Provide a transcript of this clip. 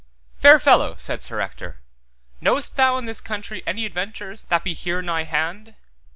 Fair fellow, said Sir Ector, knowest thou in this country any adventures that be here nigh hand?